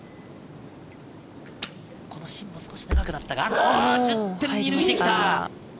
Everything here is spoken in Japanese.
シンも少し長くなったが、１０点射抜いてきた。